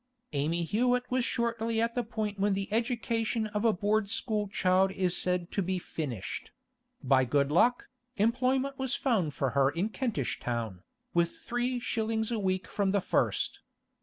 Amy Hewett was shortly at the point when the education of a board school child is said to be 'finished;' by good luck, employment was found for her in Kentish Town, with three shillings a week from the first.